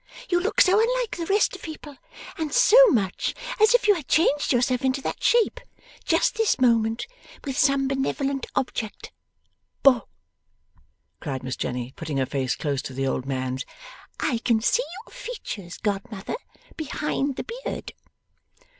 You look so unlike the rest of people, and so much as if you had changed yourself into that shape, just this moment, with some benevolent object. Boh!' cried Miss Jenny, putting her face close to the old man's. 'I can see your features, godmother, behind the beard.